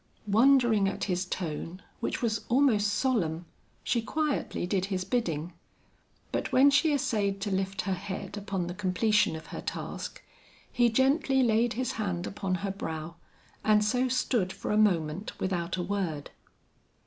Wondering at his tone which was almost solemn, she quietly did his bidding. But when she essayed to lift her head upon the completion of her task, he gently laid his hand upon her brow and so stood for a moment without a word.